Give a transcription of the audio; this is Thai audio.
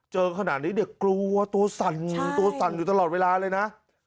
เจอขนาดนี้เด็กกลัวตัวสั่นตัวสั่นอยู่ตลอดเวลาเลยนะ